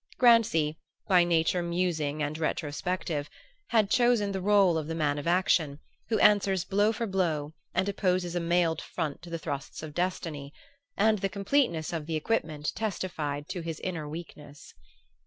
Grancy, by nature musing and retrospective, had chosen the rôle of the man of action, who answers blow for blow and opposes a mailed front to the thrusts of destiny; and the completeness of the equipment testified to his inner weakness.